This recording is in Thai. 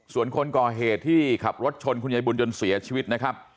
ส่วนคนก่อเหตุที่ขับรถชนคุณยายบุญจนเสียชีวิตนะครับ